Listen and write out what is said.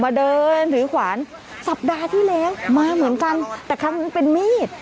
เดินถือขวานสัปดาห์ที่แล้วมาเหมือนกันแต่ครั้งนั้นเป็นมีด